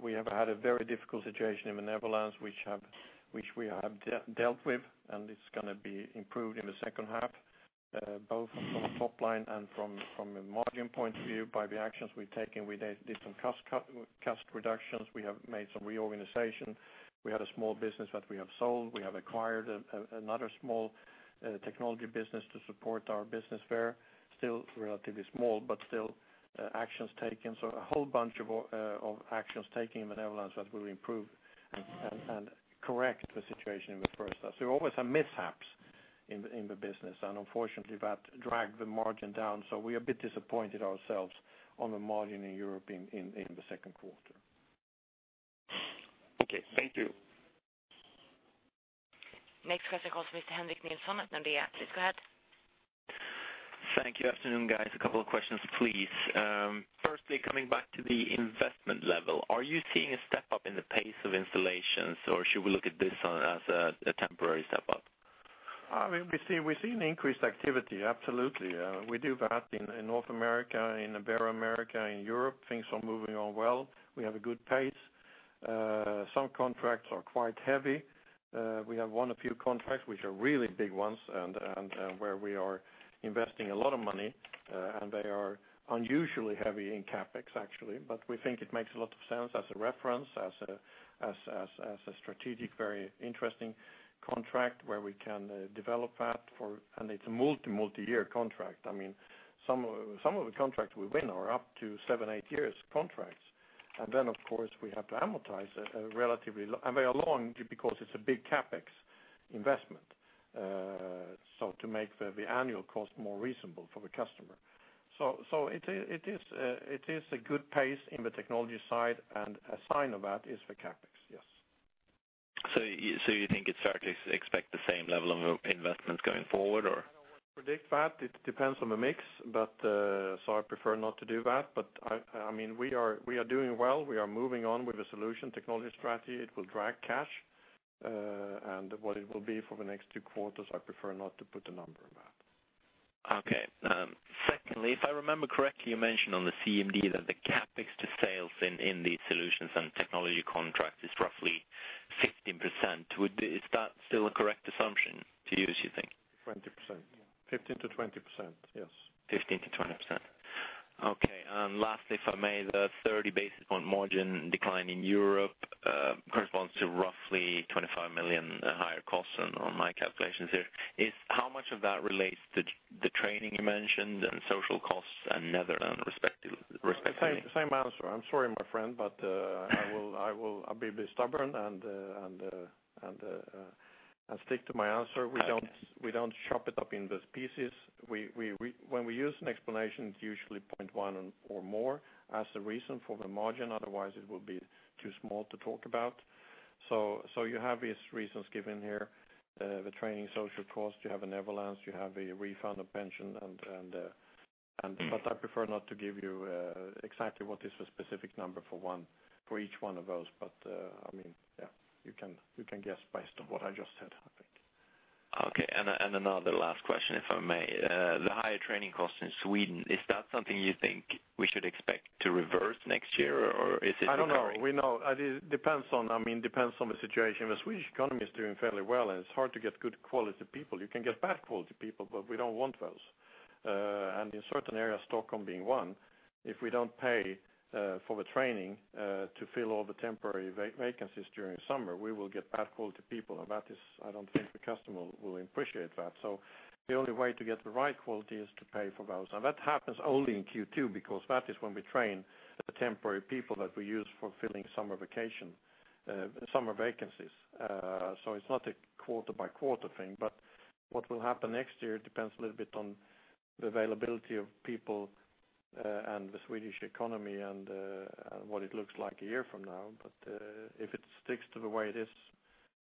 we have had a very difficult situation in the Netherlands, which we have dealt with, and it's gonna be improved in the second half, both from a top line and from a margin point of view, by the actions we've taken. We did some cost cut, cost reductions. We have made some reorganization. We had a small business that we have sold. We have acquired another small technology business to support our business there. Still relatively small, but still, actions taken. So a whole bunch of actions taken in the Netherlands that will improve and correct the situation in the first place. There are always some mishaps in the business, and unfortunately, that dragged the margin down, so we are a bit disappointed ourselves on the margin in Europe in the second quarter. Okay, thank you. Next question comes from Mr. Henrik Nilsson at Nordea. Please go ahead. Thank you. Afternoon, guys. A couple of questions, please. Firstly, coming back to the investment level, are you seeing a step up in the pace of installations, or should we look at this as a temporary step up? We see, we're seeing increased activity, absolutely. We do that in North America, in Ibero-America, in Europe, things are moving along well. We have a good pace. Some contracts are quite heavy. We have won a few contracts, which are really big ones, and where we are investing a lot of money, and they are unusually heavy in CapEx, actually. But we think it makes a lot of sense as a reference, as a strategic, very interesting contract where we can develop that for... And it's a multi-year contract. I mean, some of the contracts we win are up to seven, eight years contracts. Then, of course, we have to amortize it at a relatively low, and they are long because it's a big CapEx investment, so to make the annual cost more reasonable for the customer. So, it is a good pace in the technology side, and a sign of that is the CapEx, yes. ... So you think it's fair to expect the same level of investment going forward or? Predict that, it depends on the mix, but, so I prefer not to do that. But I, I mean, we are, we are doing well. We are moving on with the solution technology strategy. It will drag cash, and what it will be for the next two quarters, I prefer not to put a number on that. Okay. Secondly, if I remember correctly, you mentioned on the CMD that the CapEx to sales in the solutions and technology contract is roughly 15%. Would is that still a correct assumption to use, you think? 20%. 15%-20%, yes. 15%-20%. Okay, and lastly, if I may, the 30 basis point margin decline in Europe corresponds to roughly 25 million higher costs on, on my calculations here. How much of that relates to the training you mentioned and social costs and Netherlands, respectively? Same, same answer. I'm sorry, my friend, but I will, I will, I'll be a bit stubborn and stick to my answer. We don't, we don't chop it up into pieces. We, we, when we use an explanation, it's usually point one or more as the reason for the margin, otherwise it will be too small to talk about. So, you have these reasons given here, the training, social cost, you have the Netherlands, you have a refund of pension, and but I prefer not to give you exactly what is the specific number for one, for each one of those. But, I mean, yeah, you can, you can guess based on what I just said, I think. Okay, and another last question, if I may. The higher training costs in Sweden, is that something you think we should expect to reverse next year, or is it temporary? I don't know. We know it depends on, I mean, depends on the situation. The Swedish economy is doing fairly well, and it's hard to get good quality people. You can get bad quality people, but we don't want those. And in certain areas, Stockholm being one, if we don't pay for the training to fill all the temporary vacancies during summer, we will get bad quality people, and that is. I don't think the customer will appreciate that. So the only way to get the right quality is to pay for those, and that happens only in Q2, because that is when we train the temporary people that we use for filling summer vacancies. So it's not a quarter-by-quarter thing, but what will happen next year depends a little bit on the availability of people, and the Swedish economy and, and what it looks like a year from now. But, if it sticks to the way it is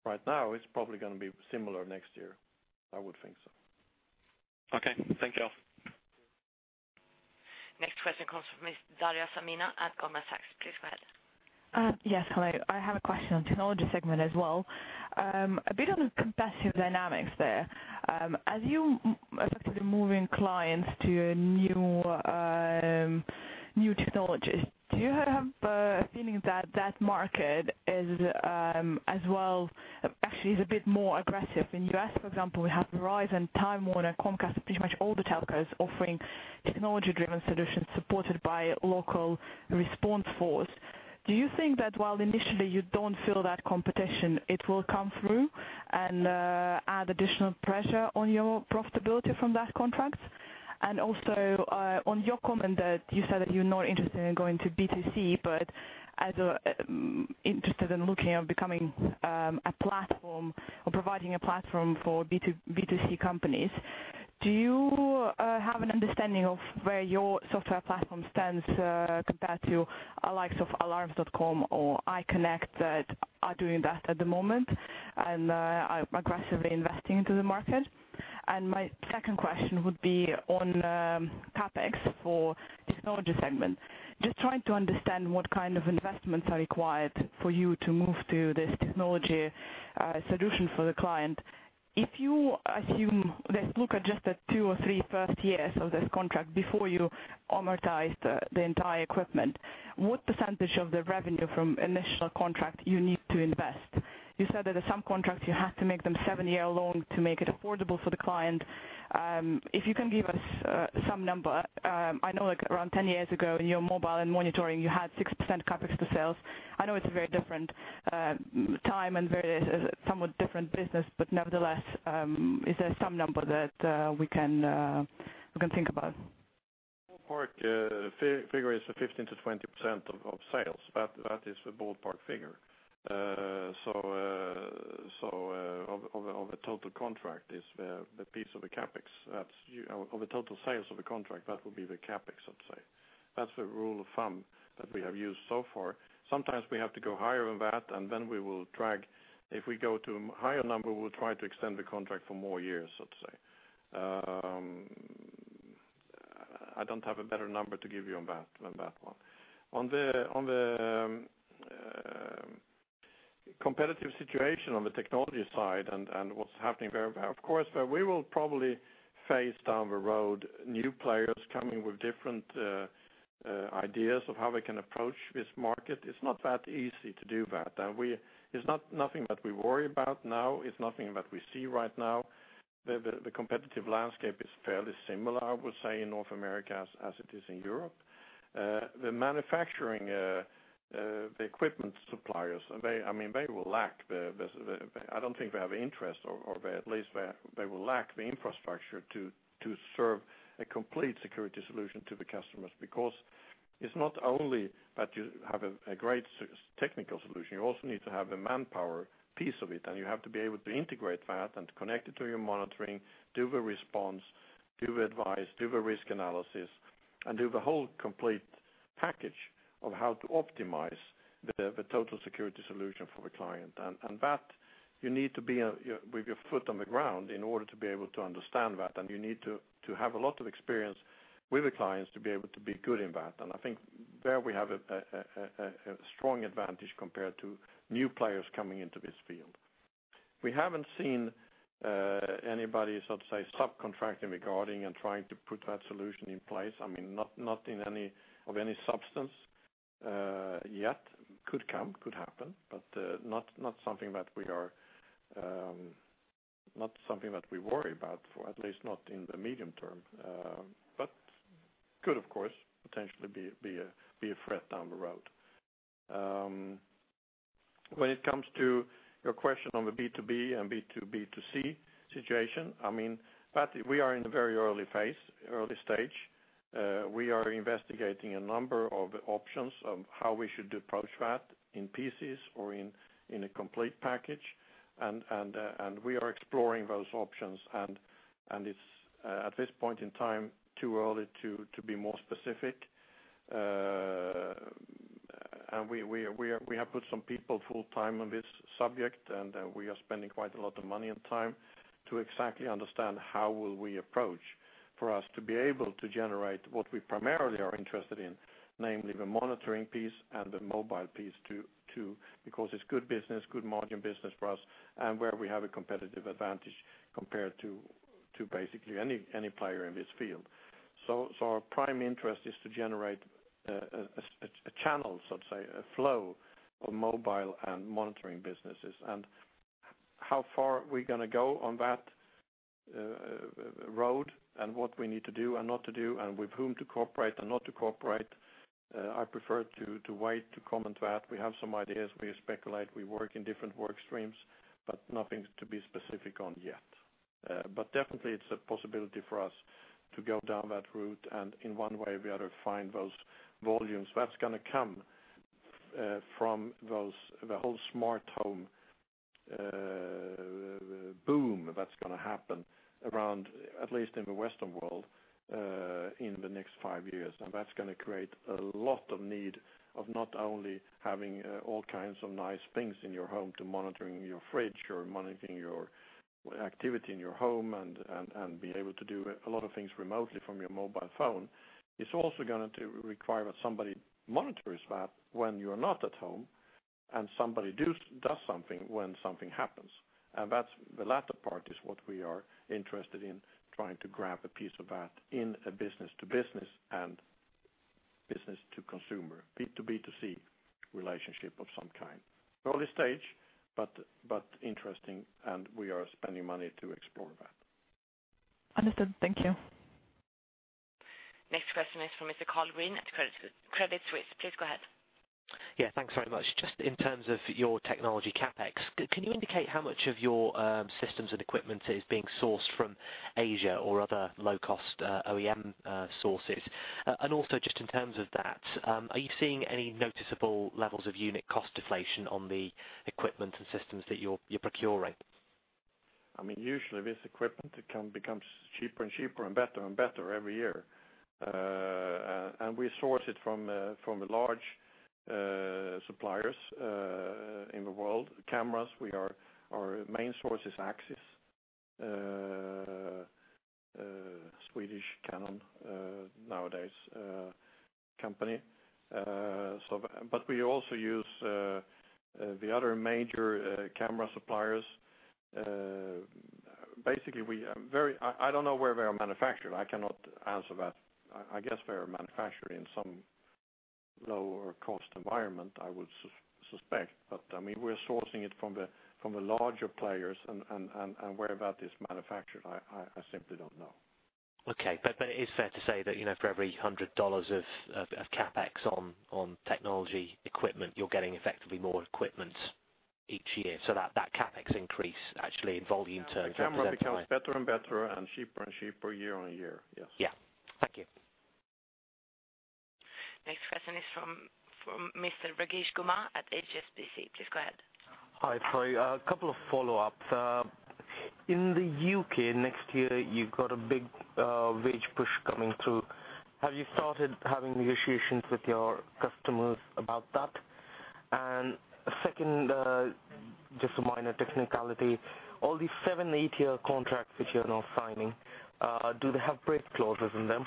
right now, it's probably going to be similar next year. I would think so. Okay. Thank you. Next question comes from Miss Daria Fomina at Goldman Sachs. Please go ahead. Yes, hello. I have a question on technology segment as well. A bit on the competitive dynamics there. As you are moving clients to a new, new technologies, do you have a feeling that that market is, as well, actually is a bit more aggressive? In U.S., for example, we have Verizon, Time Warner, Comcast, pretty much all the telcos offering technology-driven solutions supported by local response force. Do you think that while initially you don't feel that competition, it will come through and, add additional pressure on your profitability from that contract? Also, on your comment that you said that you're not interested in going to B2C, but interested in looking at becoming a platform or providing a platform for B2C companies, do you have an understanding of where your software platform stands compared to the likes of Alarm.com or iConnect that are doing that at the moment and are aggressively investing into the market? And my second question would be on CapEx for technology segment. Just trying to understand what kind of investments are required for you to move to this technology solution for the client. If you assume, let's look at just the two or three first years of this contract before you amortize the entire equipment, what percentage of the revenue from initial contract you need to invest? You said that in some contracts, you have to make them seven-year loan to make it affordable for the client. If you can give us, some number, I know, like, around 10 years ago, in your mobile and monitoring, you had 6% CapEx to sales. I know it's a very different, time and very somewhat different business, but nevertheless, is there some number that, we can, we can think about? Ballpark figure is the 15%-20% of sales, but that is the ballpark figure. So, of a total contract is the piece of the CapEx. That's... Of the total sales of a contract, that would be the CapEx, let's say. That's the rule of thumb that we have used so far. Sometimes we have to go higher than that, and then we will drag. If we go to a higher number, we'll try to extend the contract for more years, let's say. I don't have a better number to give you on that one. On the competitive situation on the technology side and what's happening there, of course, we will probably face down the road new players coming with different ideas of how we can approach this market. It's not that easy to do that, and we, it's not nothing that we worry about now, it's nothing that we see right now. The competitive landscape is fairly similar, I would say, in North America as it is in Europe. The manufacturing, the equipment suppliers, they, I mean, they will lack the... I don't think they have interest or at least they will lack the infrastructure to serve a complete security solution to the customers, because it's not only that you have a great technical solution, you also need to have the manpower piece of it, and you have to be able to integrate that and connect it to your monitoring, do the response, do the advice, do the risk analysis, and do the whole complete package of how to optimize the total security solution for the client. That you need to be with your foot on the ground in order to be able to understand that, and you need to have a lot of experience with the clients to be able to be good in that. I think there we have a strong advantage compared to new players coming into this field. We haven't seen anybody, so to say, subcontract in regarding and trying to put that solution in place. I mean, not in any substance yet. Could come, could happen, but not something that we worry about, for at least not in the medium term. But could, of course, potentially be a threat down the road. When it comes to your question on the B2B and B2B2C situation, I mean, parity, we are in the very early phase, early stage. We are investigating a number of options of how we should approach that in pieces or in a complete package. We are exploring those options, and it's at this point in time too early to be more specific. We have put some people full time on this subject, and we are spending quite a lot of money and time to exactly understand how will we approach for us to be able to generate what we primarily are interested in, namely the monitoring piece and the mobile piece too, because it's good business, good margin business for us, and where we have a competitive advantage compared to basically any player in this field. Our prime interest is to generate a channel, so to say, a flow of mobile and monitoring businesses. How far are we gonna go on that road, and what we need to do and not to do, and with whom to cooperate and not to cooperate, I prefer to, to wait to comment to that. We have some ideas. We speculate, we work in different work streams, but nothing to be specific on yet. But definitely it's a possibility for us to go down that route, and in one way or the other, find those volumes. That's gonna come from those, the whole smart home boom, that's gonna happen around, at least in the Western world, in the next five years. And that's gonna create a lot of need of not only having all kinds of nice things in your home, to monitoring your fridge or monitoring your activity in your home and be able to do a lot of things remotely from your mobile phone. It's also going to require that somebody monitors that when you're not at home, and somebody does something when something happens. And that's the latter part, is what we are interested in, trying to grab a piece of that in a business to business and business to consumer, B2B2C relationship of some kind. Early stage, but interesting, and we are spending money to explore that. Understood. Thank you. Next question is from Mr. Karl Green at Credit Suisse. Please go ahead. Yeah, thanks very much. Just in terms of your technology CapEx, can you indicate how much of your systems and equipment is being sourced from Asia or other low-cost OEM sources? And also just in terms of that, are you seeing any noticeable levels of unit cost deflation on the equipment and systems that you're procuring? I mean, usually this equipment, it can become cheaper and cheaper and better and better every year. And we source it from the large suppliers in the world. Cameras, our main source is Axis, Swedish Canon, nowadays company. So but we also use the other major camera suppliers. Basically, we are very—I don't know where they are manufactured. I cannot answer that. I guess they are manufactured in some lower cost environment, I would suspect. But, I mean, we're sourcing it from the larger players, and where this is manufactured, I simply don't know. Okay, but it is fair to say that, you know, for every $100 of CapEx on technology equipment, you're getting effectively more equipment each year, so that CapEx increase actually in volume terms- The camera becomes better and better and cheaper and cheaper year on year. Yes. Yeah. Thank you. Next question is from Mr. Rajesh Kumar at HSBC. Please go ahead. Hi, sorry, a couple of follow-ups. In the U.K. next year, you've got a big wage push coming through. Have you started having negotiations with your customers about that? Second, just a minor technicality. All these seven-eight-year contracts which you're now signing, do they have break clauses in them?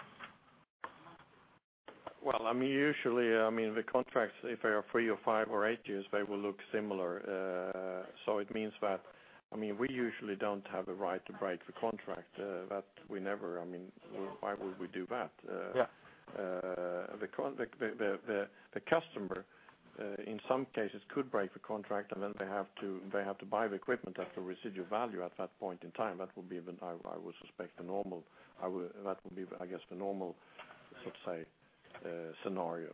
Well, I mean, usually, I mean, the contracts, if they are three or five or eight years, they will look similar. So it means that, I mean, we usually don't have a right to break the contract, but we never I mean, why would we do that? Yeah. The customer, in some cases, could break the contract, and then they have to, they have to buy the equipment at the residual value at that point in time. That would be, I would suspect, the normal. That would be, I guess, the normal, let's say, scenario.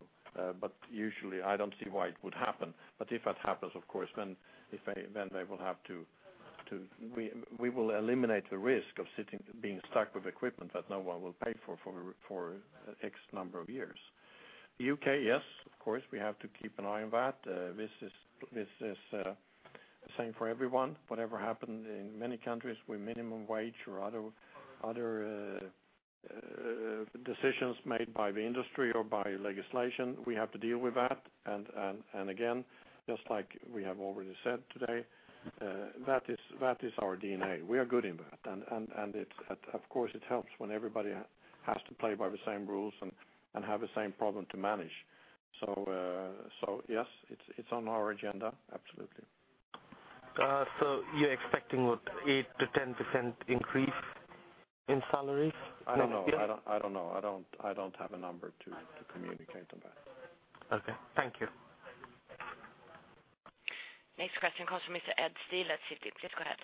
But usually I don't see why it would happen. But if that happens, of course, then if they... Then they will have to, we will eliminate the risk of sitting, being stuck with equipment that no one will pay for, for X number of years. U.K., yes, of course, we have to keep an eye on that. This is the same for everyone. Whatever happened in many countries with minimum wage or other decisions made by the industry or by legislation, we have to deal with that. And again, just like we have already said today, that is our DNA. We are good in that. And it's, of course, it helps when everybody has to play by the same rules and have the same problem to manage. So yes, it's on our agenda. Absolutely. You're expecting what, 8%-10% increase in salaries? I don't know. I don't, I don't know. I don't, I don't have a number to, to communicate on that. Okay. Thank you. Next question comes from Mr. Ed Steele at Citi. Please go ahead.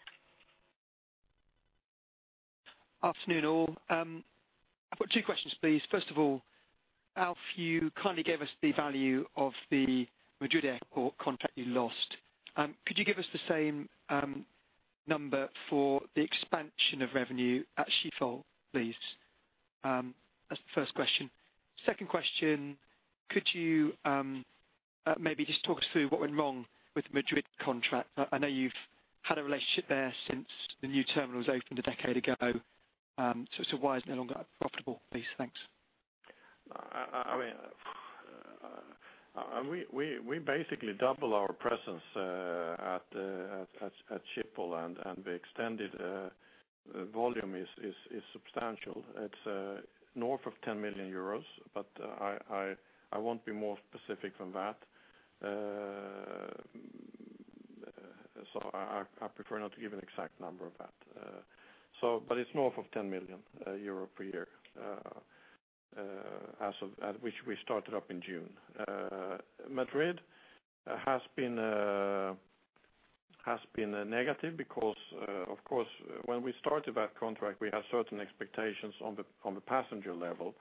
Afternoon, all. I've got two questions, please. First of all, Alf, you kindly gave us the value of the Madrid airport contract you lost. Could you give us the same number for the expansion of revenue at Schiphol, please? That's the first question. Second question, could you maybe just talk us through what went wrong with the Madrid contract? I know you've had a relationship there since the new terminal was opened a decade ago. So why is it no longer profitable, please? Thanks. I mean, we basically double our presence at Schiphol, and the extended volume is substantial. It's north of 10 million euros, but I won't be more specific than that. So I prefer not to give an exact number of that. So but it's north of 10 million euro per year as of at which we started up in June. Madrid has been a negative because of course, when we started that contract, we had certain expectations on the passenger level,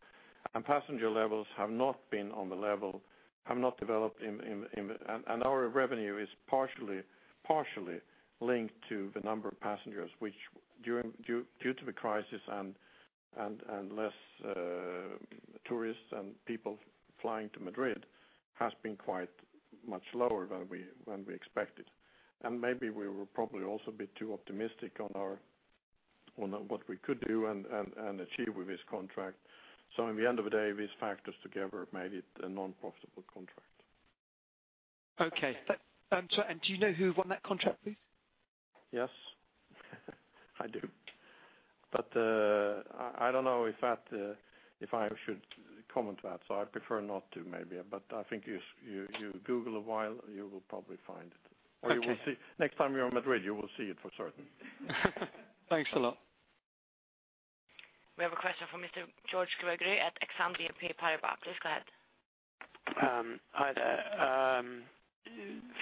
and passenger levels have not been on the level, have not developed in... Our revenue is partially linked to the number of passengers, which, due to the crisis and less tourists and people flying to Madrid, has been quite much lower than we expected. And maybe we were probably also a bit too optimistic on what we could do and achieve with this contract. So in the end of the day, these factors together made it a non-profitable contract. Okay. But do you know who won that contract, please? Yes, I do. But, I don't know if that, if I should comment that, so I prefer not to maybe. But I think if you Google a while, you will probably find it. Thank you. Or you will see, next time you're in Madrid, you will see it for certain. Thanks a lot. We have a question from Mr. George Gregory at Exane BNP Paribas. Please go ahead. Hi there.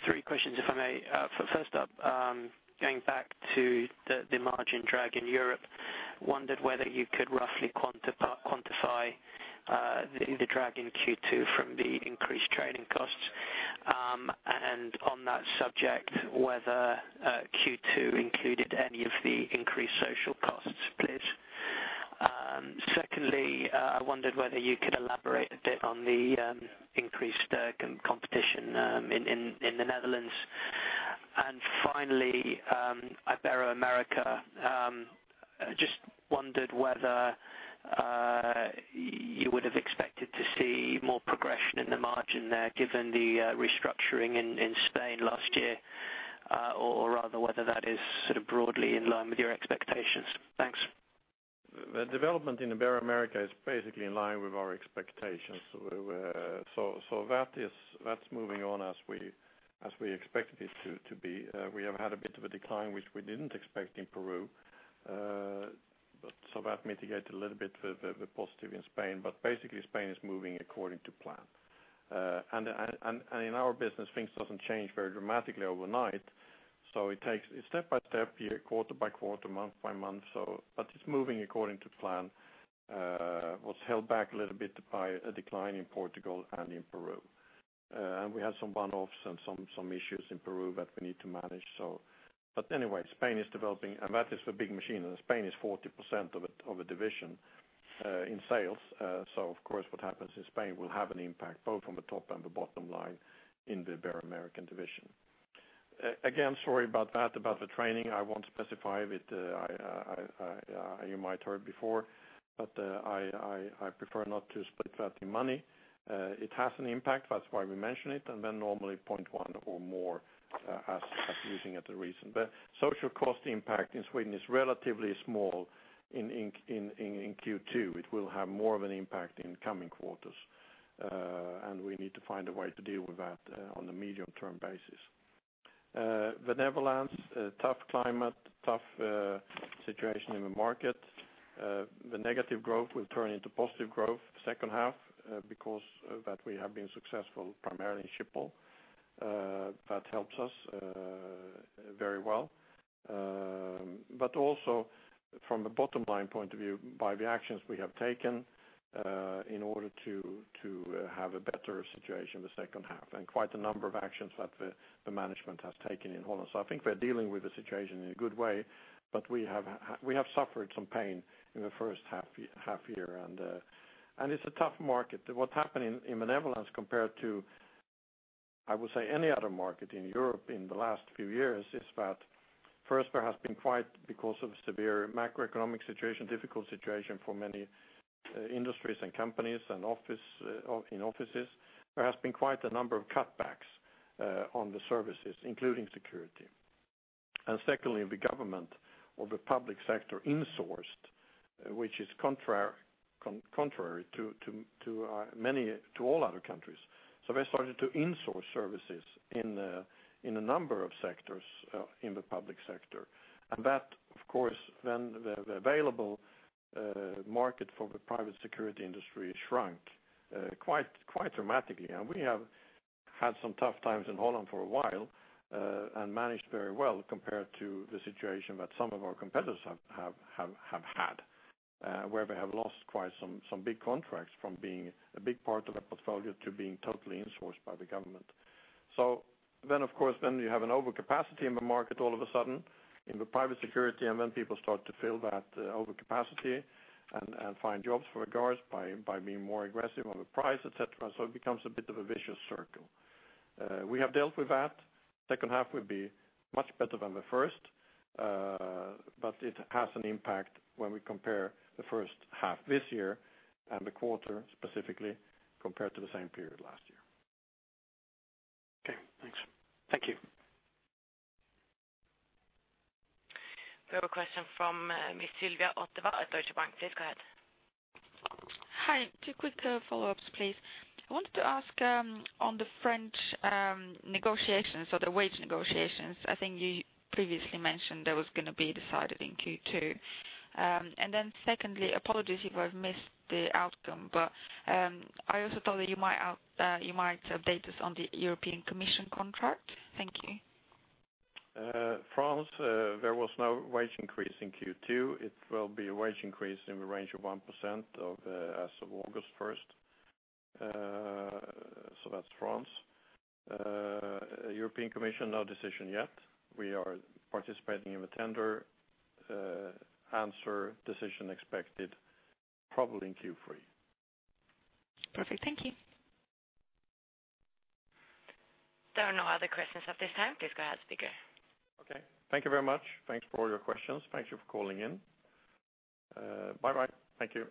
Three questions, if I may. Going back to the margin drag in Europe, wondered whether you could roughly quantify the drag in Q2 from the increased training costs. And on that subject, whether Q2 included any of the increased social costs, please. Secondly, I wondered whether you could elaborate a bit on the increased competition in the Netherlands. And finally, Ibero-America. I just wondered whether you would have expected to see more progression in the margin there, given the restructuring in Spain last year, or rather, whether that is sort of broadly in line with your expectations. Thanks. The development in Ibero-America is basically in line with our expectations. So we, so that is, that's moving on as we expected it to be. We have had a bit of a decline, which we didn't expect in Peru, but so that mitigated a little bit with the positive in Spain, but basically, Spain is moving according to plan. In our business, things doesn't change very dramatically overnight, so it takes it step by step, year, quarter by quarter, month by month, so but it's moving according to plan. Was held back a little bit by a decline in Portugal and in Peru. And we had some one-offs and some issues in Peru that we need to manage, so... But anyway, Spain is developing, and that is a big machine, and Spain is 40% of a division in sales. So of course, what happens in Spain will have an impact both on the top and the bottom line in the Ibero-America division. Again, sorry about that, about the training. I won't specify with, you might heard before, but, I prefer not to split that in money. It has an impact, that's why we mention it, and then normally 0.1 or more, as using it as a reason. But social cost impact in Sweden is relatively small in Q2. It will have more of an impact in coming quarters, and we need to find a way to deal with that, on a medium-term basis. The Netherlands, a tough climate, tough situation in the market. The negative growth will turn into positive growth second half, because that we have been successful, primarily in Schiphol. That helps us very well. But also from a bottom-line point of view, by the actions we have taken in order to have a better situation in the second half, and quite a number of actions that the management has taken in Holland. So I think we're dealing with the situation in a good way, but we have suffered some pain in the first half year, and it's a tough market. What happened in the Netherlands, compared to... I would say any other market in Europe in the last few years is that first, there has been quite because of severe macroeconomic situation, difficult situation for many industries and companies and office in offices. There has been quite a number of cutbacks on the services, including security. And secondly, the government or the public sector insourced, which is contrary to all other countries. So they started to insource services in a number of sectors in the public sector. And that, of course, the available market for the private security industry shrunk quite dramatically. We have had some tough times in Holland for a while, and managed very well compared to the situation that some of our competitors have had, where they have lost quite some big contracts from being a big part of the portfolio to being totally insourced by the government. So then, of course, then you have an overcapacity in the market all of a sudden in the private security, and then people start to fill that overcapacity and find jobs for guards by being more aggressive on the price, et cetera, so it becomes a bit of a vicious circle. We have dealt with that. Second half will be much better than the first, but it has an impact when we compare the first half this year and the quarter specifically, compared to the same period last year. Okay, thanks. Thank you. We have a question from, Miss Sylvia Foteva at Deutsche Bank. Please go ahead. Hi, two quick follow-ups, please. I wanted to ask on the French negotiations or the wage negotiations. I think you previously mentioned that was gonna be decided in Q2. And then secondly, apologies if I've missed the outcome, but I also thought that you might update us on the European Commission contract. Thank you. France, there was no wage increase in Q2. It will be a wage increase in the range of 1% of, as of August first. So that's France. European Commission, no decision yet. We are participating in the tender, answer, decision expected probably in Q3. Perfect. Thank you. There are no other questions at this time. Please go ahead, speaker. Okay. Thank you very much. Thanks for all your questions. Thank you for calling in. Bye-bye. Thank you.